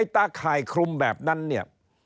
ข้ายคลุมแบบนั้นเนี่ย